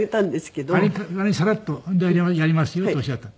割にさらっと「やりますよ」とおっしゃった。